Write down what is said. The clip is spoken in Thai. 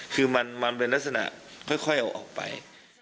คือมันเป็นลักษณะค่อยเอาออกไป